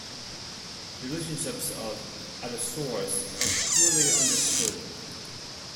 The relationships of "Adasaurus" are poorly understood.